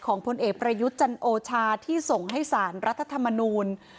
พลเอกประยุทธ์จันโอชาที่ส่งให้สารรัฐธรรมนูล